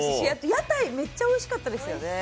屋台、めっちゃおいしかったですよね。